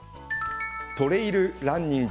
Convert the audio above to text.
トレイルランニング。